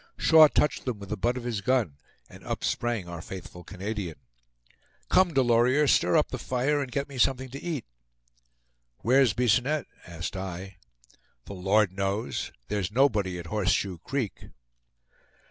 Shaw touched them with the butt of his gun, and up sprang our faithful Canadian. "Come, Delorier; stir up the fire, and get me something to eat." "Where's Bisonette?" asked I. "The Lord knows; there's nobody at Horseshoe Creek."